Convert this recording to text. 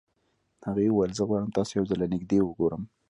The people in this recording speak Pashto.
هغې وويل زه غواړم تاسو يو ځل له نږدې وګورم.